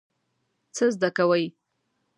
څه زده کوئ؟